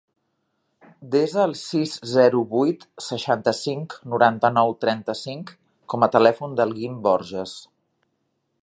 Desa el sis, zero, vuit, seixanta-cinc, noranta-nou, trenta-cinc com a telèfon del Guim Borges.